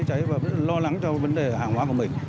cháy và rất là lo lắng cho vấn đề hàng hóa của mình